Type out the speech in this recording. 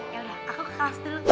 ya udah aku ke kelas dulu